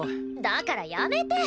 だからやめて。